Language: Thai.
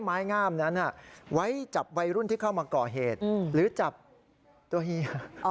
ไม้งามนั้นไว้จับวัยรุ่นที่เข้ามาก่อเหตุหรือจับตัวเฮีย